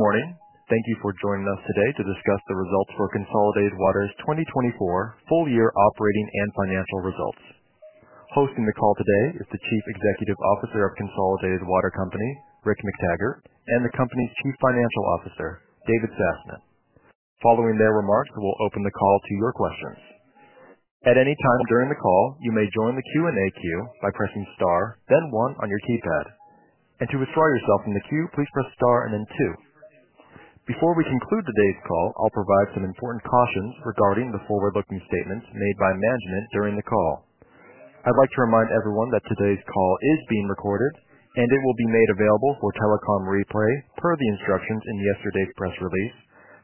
Morning. Thank you for joining us today to discuss the results for Consolidated Water's 2024 Full-Year Operating and Financial Results. Hosting the call today is the Chief Executive Officer of Consolidated Water, Rick McTaggart, and the company's Chief Financial Officer, David Sasnett. Following their remarks, we'll open the call to your questions. At any time during the call, you may join the Q&A queue by pressing star, then one on your keypad. To withdraw yourself from the queue, please press star and then two. Before we conclude today's call, I'll provide some important cautions regarding the forward-looking statements made by management during the call. I'd like to remind everyone that today's call is being recorded, and it will be made available for telecom replay per the instructions in yesterday's press release,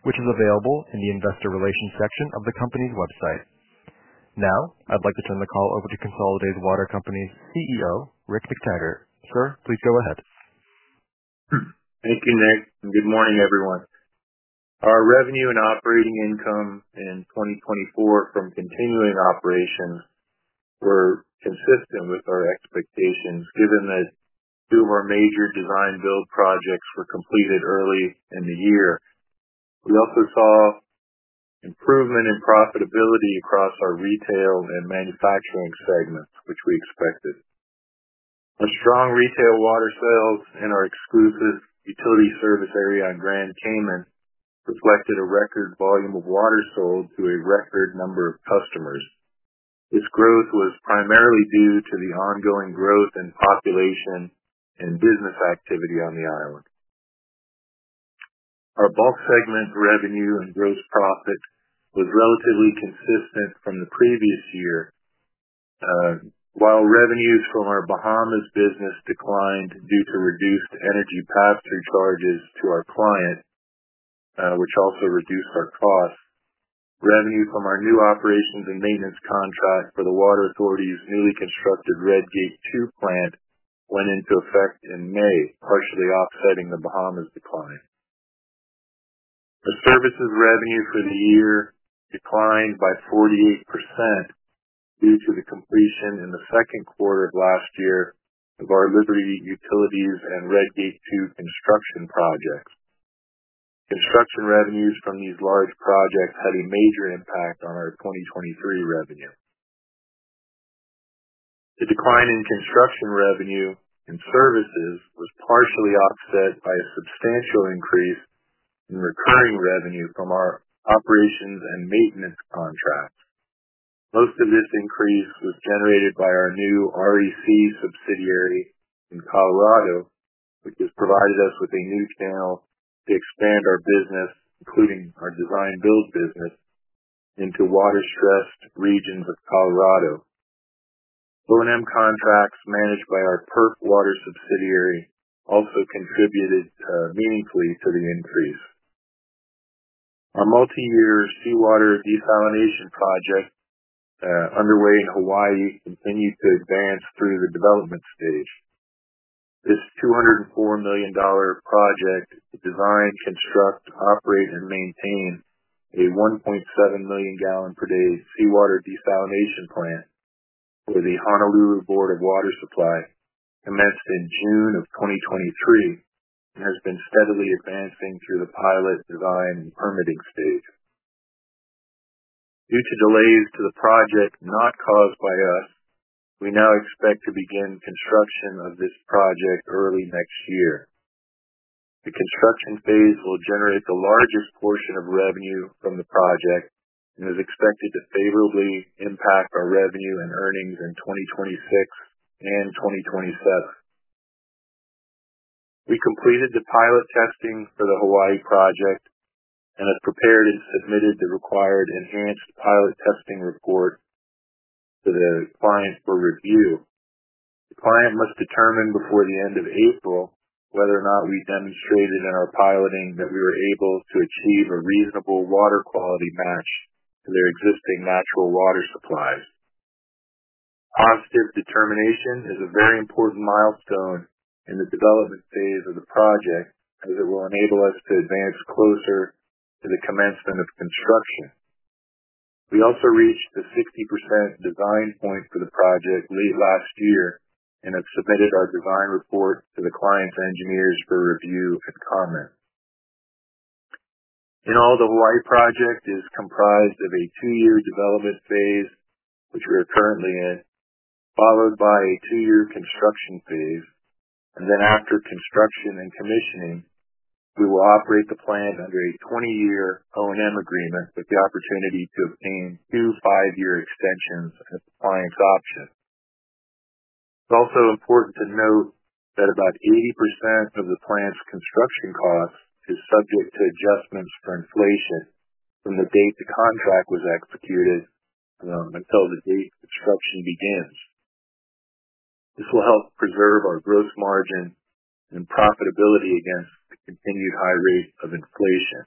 which is available in the investor relations section of the company's website. Now, I'd like to turn the call over to Consolidated Water Company's CEO, Rick McTaggart. Sir, please go ahead. Thank you, Nick. Good morning, everyone. Our revenue and operating income in 2024 from continuing operations were consistent with our expectations given that two of our major design-build projects were completed early in the year. We also saw improvement in profitability across our retail and manufacturing segments, which we expected. Our strong retail water sales in our exclusive utility service area on Grand Cayman reflected a record volume of water sold to a record number of customers. This growth was primarily due to the ongoing growth in population and business activity on the island. Our bulk segment revenue and gross profit was relatively consistent from the previous year. While revenues from our Bahamas business declined due to reduced energy pass-through charges to our client, which also reduced our costs, revenue from our new operations and maintenance contract for the Water Authority's newly constructed Red Gate 2 plant went into effect in May, partially offsetting the Bahamas decline. Our services revenue for the year declined by 48% due to the completion in the second quarter of last year of our Liberty Utilities and Red Gate 2 construction projects. Construction revenues from these large projects had a major impact on our 2023 revenue. The decline in construction revenue and services was partially offset by a substantial increase in recurring revenue from our operations and maintenance contracts. Most of this increase was generated by our new REC subsidiary in Colorado, which has provided us with a new channel to expand our business, including our design-build business, into water-stressed regions of Colorado. O&M contracts managed by our PERC Water subsidiary also contributed meaningfully to the increase. Our multi-year seawater desalination project underway in Hawaii continued to advance through the development stage. Its $204 million project to design, construct, operate, and maintain a 1.7 million gallon per day seawater desalination plant for the Honolulu Board of Water Supply commenced in June of 2023 and has been steadily advancing through the pilot design and permitting stage. Due to delays to the project not caused by us, we now expect to begin construction of this project early next year. The construction phase will generate the largest portion of revenue from the project and is expected to favorably impact our revenue and earnings in 2026 and 2027. We completed the pilot testing for the Hawaii project and have prepared and submitted the required enhanced pilot testing report to the client for review. The client must determine before the end of April whether or not we demonstrated in our piloting that we were able to achieve a reasonable water quality match to their existing natural water supplies. Positive determination is a very important milestone in the development phase of the project as it will enable us to advance closer to the commencement of construction. We also reached the 60% design point for the project late last year and have submitted our design report to the client's engineers for review and comment. In all, the Hawaii project is comprised of a two-year development phase, which we are currently in, followed by a two-year construction phase, and then after construction and commissioning, we will operate the plant under a 20-year O&M agreement with the opportunity to obtain two five-year extensions as a client's option. It's also important to note that about 80% of the plant's construction cost is subject to adjustments for inflation from the date the contract was executed until the date construction begins. This will help preserve our gross margin and profitability against the continued high rate of inflation.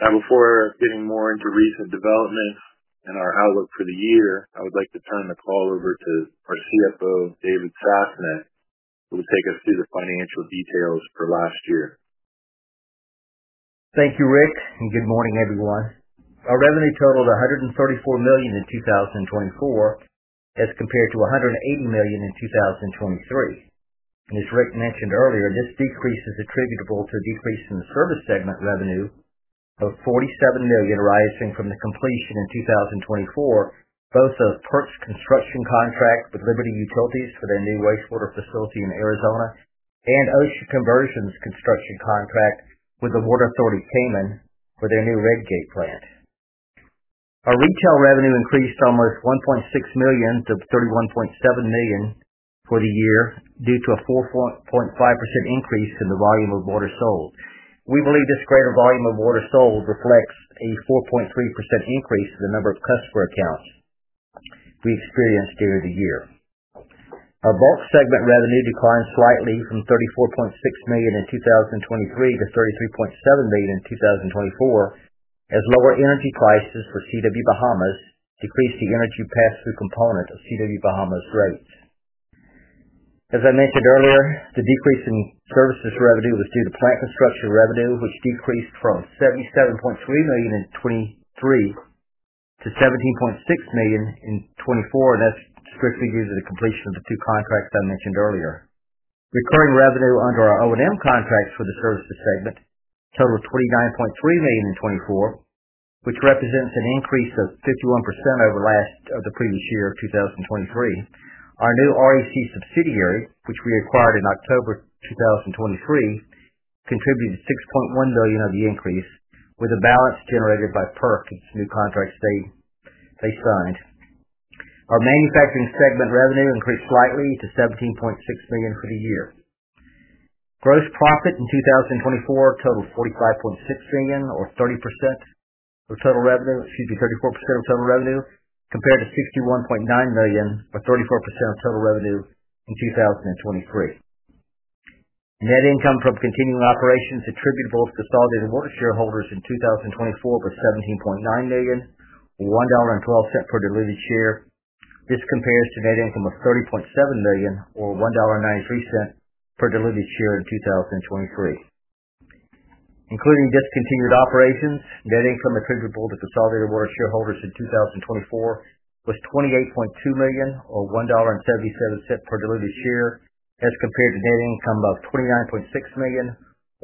Now, before getting more into recent developments in our outlook for the year, I would like to turn the call over to our CFO, David Sasnett, who will take us through the financial details for last year. Thank you, Rick, and good morning, everyone. Our revenue totaled $134 million in 2024 as compared to $180 million in 2023. As Rick mentioned earlier, this decrease is attributable to a decrease in the service segment revenue of $47 million, arising from the completion in 2024 both of PERC's construction contract with Liberty Utilities for their new wastewater facility in Arizona and Ocean Conversion's construction contract with the Water Authority Cayman for their new Red Gate plant. Our retail revenue increased almost $1.6 million to $31.7 million for the year due to a 4.5% increase in the volume of water sold. We believe this greater volume of water sold reflects a 4.3% increase in the number of customer accounts we experienced during the year. Our bulk segment revenue declined slightly from $34.6 million in 2023 to $33.7 million in 2024 as lower energy prices for CW Bahamas decreased the energy pass-through component of CW Bahamas rates. As I mentioned earlier, the decrease in services revenue was due to plant construction revenue, which decreased from $77.3 million in 2023 to $17.6 million in 2024, and that's strictly due to the completion of the two contracts I mentioned earlier. Recurring revenue under our O&M contracts for the services segment totaled $29.3 million in 2024, which represents an increase of 51% over the previous year of 2023. Our new REC subsidiary, which we acquired in October 2023, contributed $6.1 million of the increase with a balance generated by PERC in its new contract they signed. Our manufacturing segment revenue increased slightly to $17.6 million for the year. Gross profit in 2024 totaled $45.6 million, or 30% of total revenue, excuse me, 34% of total revenue, compared to $61.9 million, or 34% of total revenue in 2023. Net income from continuing operations attributable to Consolidated Water shareholders in 2024 was $17.9 million, or $1.12 per diluted share. This compares to net income of $30.7 million, or $1.93 per diluted share in 2023. Including discontinued operations, net income attributable to Consolidated Water shareholders in 2024 was $28.2 million, or $1.77 per diluted share, as compared to net income of $29.6 million,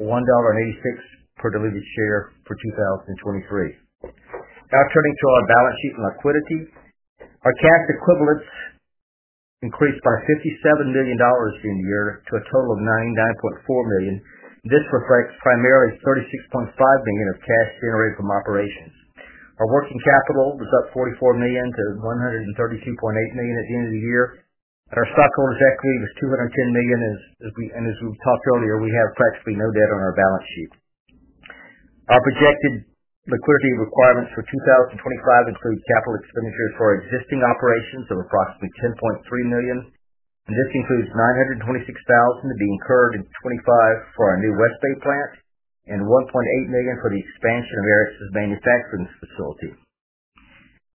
or $1.86 per diluted share for 2023. Now, turning to our balance sheet and liquidity, our cash equivalents increased by $57 million during the year to a total of $99.4 million. This reflects primarily $36.5 million of cash generated from operations. Our working capital was up $44 million to $132.8 million at the end of the year, and our stockholders' equity was $210 million. As we talked earlier, we have practically no debt on our balance sheet. Our projected liquidity requirements for 2025 include capital expenditures for existing operations of approximately $10.3 million, and this includes $926,000 to be incurred in 2025 for our new West Bay plant and $1.8 million for the expansion of Aerex Manufacturing's facility.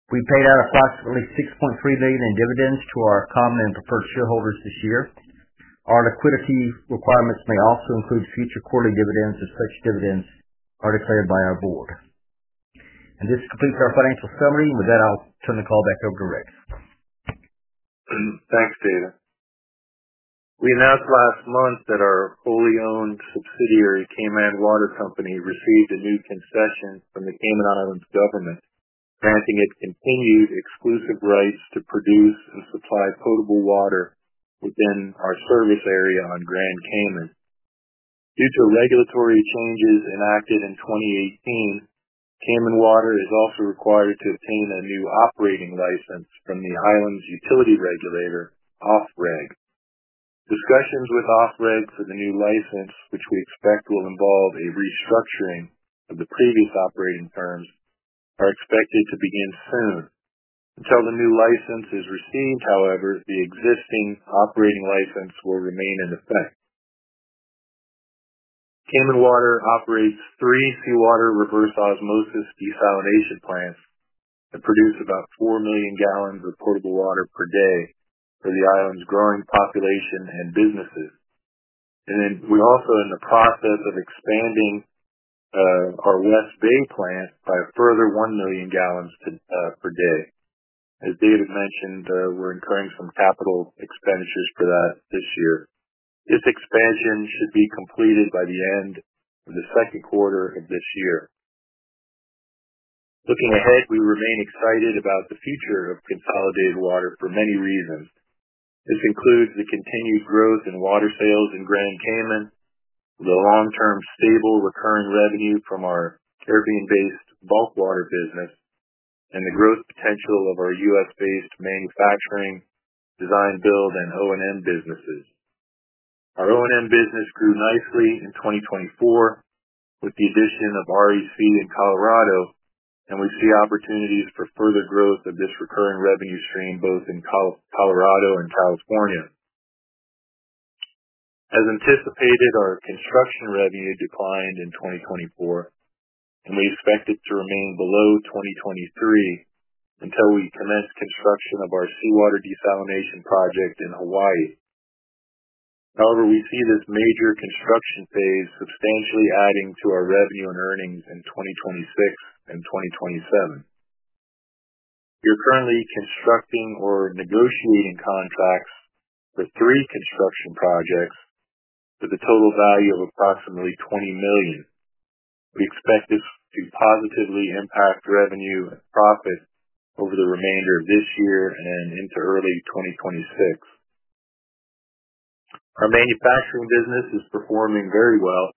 We paid out approximately $6.3 million in dividends to our common and preferred shareholders this year. Our liquidity requirements may also include future quarterly dividends, as such dividends are declared by our board. This completes our financial summary. With that, I'll turn the call back over to Rick. Thanks, Dave. We announced last month that our fully-owned subsidiary, Cayman Water Company, received a new concession from the Cayman Islands government, granting it continued exclusive rights to produce and supply potable water within our service area on Grand Cayman. Due to regulatory changes enacted in 2018, Cayman Water is also required to obtain a new operating license from the island's utility regulator, OfReg. Discussions with OfReg for the new license, which we expect will involve a restructuring of the previous operating terms, are expected to begin soon. Until the new license is received, however, the existing operating license will remain in effect. Cayman Water operates three seawater reverse osmosis desalination plants that produce about 4 million gallons of potable water per day for the island's growing population and businesses. We are also in the process of expanding our West Bay plant by a further 1 million gallons per day. As David mentioned, we are incurring some capital expenditures for that this year. This expansion should be completed by the end of the second quarter of this year. Looking ahead, we remain excited about the future of Consolidated Water for many reasons. This includes the continued growth in water sales in Grand Cayman, the long-term stable recurring revenue from our Caribbean-based bulk water business, and the growth potential of our US-based manufacturing, design-build, and O&M businesses. Our O&M business grew nicely in 2024 with the addition of REC in Colorado, and we see opportunities for further growth of this recurring revenue stream both in Colorado and California. As anticipated, our construction revenue declined in 2024, and we expect it to remain below 2023 until we commence construction of our seawater desalination project in Hawaii. However, we see this major construction phase substantially adding to our revenue and earnings in 2026 and 2027. We are currently constructing or negotiating contracts for three construction projects with a total value of approximately $20 million. We expect this to positively impact revenue and profit over the remainder of this year and into early 2026. Our manufacturing business is performing very well.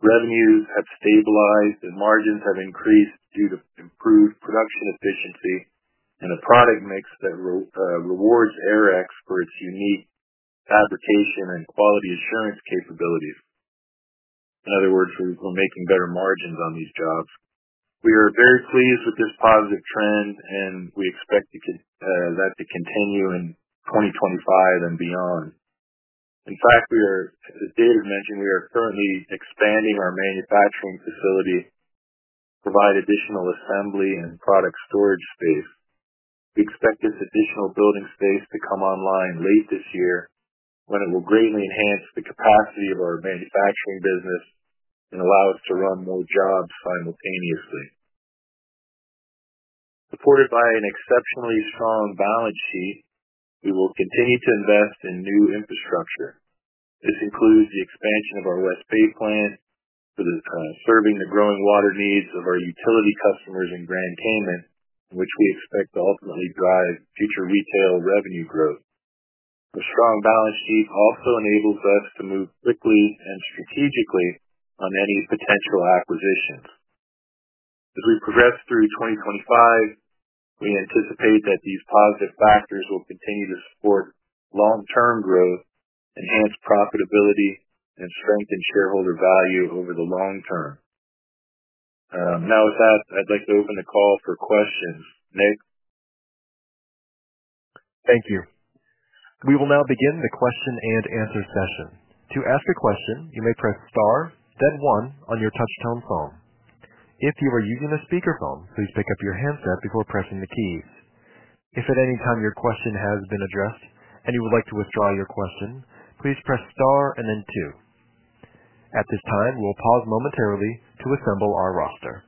Revenues have stabilized and margins have increased due to improved production efficiency and a product mix that rewards Aerex for its unique fabrication and quality assurance capabilities. In other words, we're making better margins on these jobs. We are very pleased with this positive trend, and we expect that to continue in 2025 and beyond. In fact, as David mentioned, we are currently expanding our manufacturing facility to provide additional assembly and product storage space. We expect this additional building space to come online late this year when it will greatly enhance the capacity of our manufacturing business and allow us to run more jobs simultaneously. Supported by an exceptionally strong balance sheet, we will continue to invest in new infrastructure. This includes the expansion of our West Bay plant for serving the growing water needs of our utility customers in Grand Cayman, which we expect to ultimately drive future retail revenue growth. Our strong balance sheet also enables us to move quickly and strategically on any potential acquisitions. As we progress through 2025, we anticipate that these positive factors will continue to support long-term growth, enhance profitability, and strengthen shareholder value over the long term. Now, with that, I'd like to open the call for questions. Nick? Thank you. We will now begin the question-and-answer session. To ask a question, you may press star, then one on your touch-tone phone. If you are using a speakerphone, please pick up your handset before pressing the keys. If at any time your question has been addressed and you would like to withdraw your question, please press star and then two. At this time, we'll pause momentarily to assemble our roster.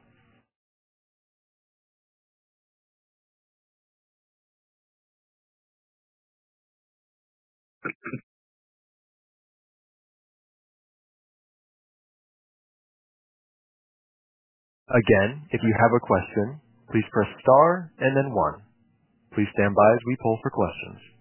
Again, if you have a question, please press star and then one. Please stand by as we pull for questions.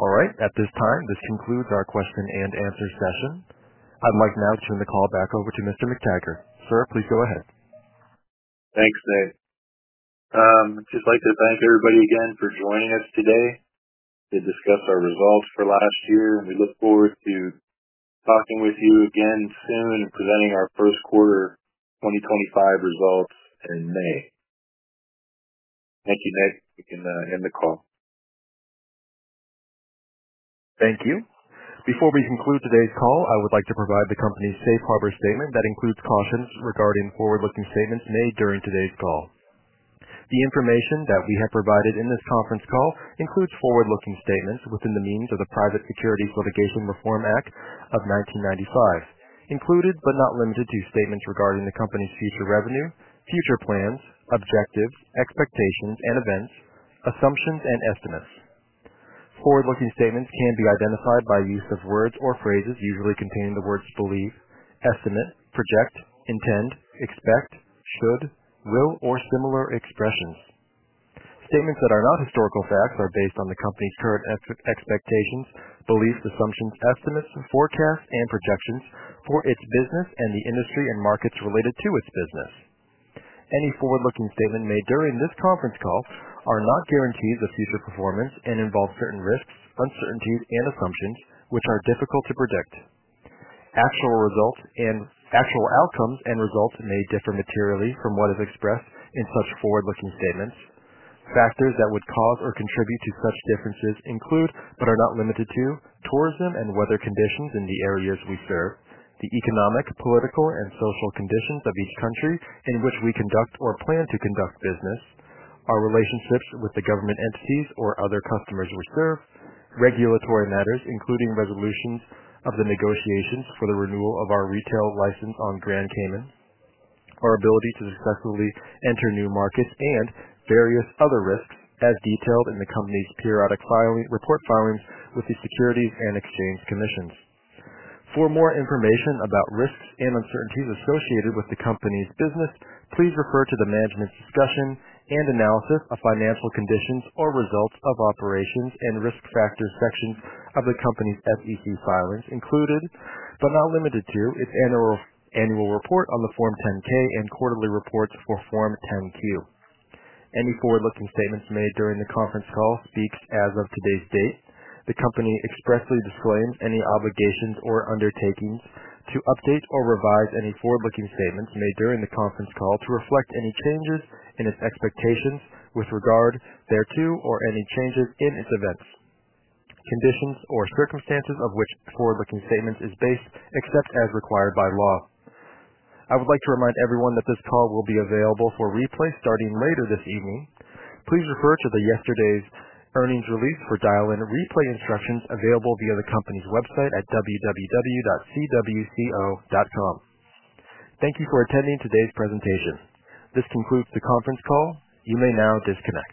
All right. At this time, this concludes our question-and-answer session. I'd like now to turn the call back over to Mr. McTaggart. Sir, please go ahead. Thanks, Nick. I'd just like to thank everybody again for joining us today to discuss our results for last year. We look forward to talking with you again soon and presenting our first quarter 2025 results in May. Thank you, Nick. We can end the call. Thank you. Before we conclude today's call, I would like to provide the company's safe harbor statement that includes cautions regarding forward-looking statements made during today's call. The information that we have provided in this conference call includes forward-looking statements within the meaning of the Private Securities Litigation Reform Act of 1995, including, but not limited to, statements regarding the company's future revenue, future plans, objectives, expectations, and events, assumptions, and estimates. Forward-looking statements can be identified by use of words or phrases usually containing the words believe, estimate, project, intend, expect, should, will, or similar expressions. Statements that are not historical facts are based on the company's current expectations, beliefs, assumptions, estimates, forecasts, and projections for its business and the industry and markets related to its business. Any forward-looking statement made during this conference call are not guarantees of future performance and involve certain risks, uncertainties, and assumptions, which are difficult to predict. Actual outcomes and results may differ materially from what is expressed in such forward-looking statements. Factors that would cause or contribute to such differences include, but are not limited to, tourism and weather conditions in the areas we serve, the economic, political, and social conditions of each country in which we conduct or plan to conduct business, our relationships with the government entities or other customers we serve, regulatory matters, including resolutions of the negotiations for the renewal of our retail license on Grand Cayman. Our ability to successfully enter new markets, and various other risks as detailed in the company's periodic report filings with the Securities and Exchange Commission. For more information about risks and uncertainties associated with the company's business, please refer to the management's discussion and analysis of financial conditions or results of operations and risk factors sections of the company's SEC filings, included, but not limited to, its annual report on the Form 10-K and quarterly reports for Form 10-Q. Any forward-looking statements made during the conference call speaks, as of today's date, the company expressly disclaims any obligations or undertakings to update or revise any forward-looking statements made during the conference call to reflect any changes in its expectations with regard thereto or any changes in its events, conditions, or circumstances of which forward-looking statements is based, except as required by law. I would like to remind everyone that this call will be available for replay starting later this evening. Please refer to yesterday's earnings release for dial-in replay instructions available via the company's website at www.cwco.com. Thank you for attending today's presentation. This concludes the conference call. You may now disconnect.